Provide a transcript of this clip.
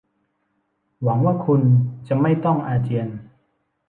หวังว่าคุณจะไม่ต้องอาเจียน